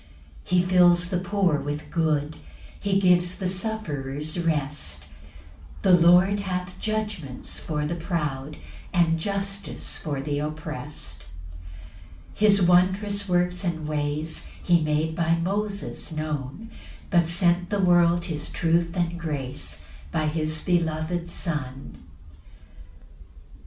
5 He fills the poor with good; He gives the sufferers rest; The Lord hath judgments for the proud, And justice for th' opprest. 6 His wondrous works and ways He made by Moses known; But sent the world his truth and grace By his beloved Son. Psalm 103:4.